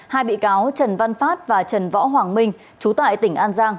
hai bị cáo trần văn phát và trần võ hoàng minh chú tại tỉnh an giang